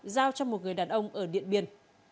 giao cho một người đàn ông ở điện biên